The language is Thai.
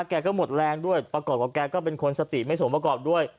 แกก็หมดแรงด้วยประกอบกับแกก็เป็นคนสติไม่สมประกอบด้วย